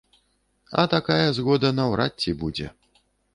А такая згода наўрад ці будзе.